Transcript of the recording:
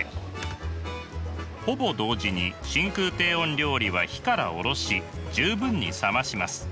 ほぼ同時に真空低温料理は火から下ろし十分に冷まします。